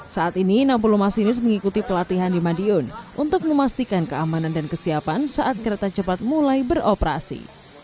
saat ini enam puluh masinis mengikuti pelatihan di madiun untuk memastikan keamanan dan kesiapan saat kereta cepat mulai beroperasi